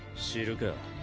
知るか。